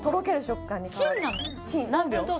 何秒？